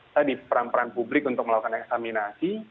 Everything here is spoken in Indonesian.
tadi peran peran publik untuk melakukan eksaminasi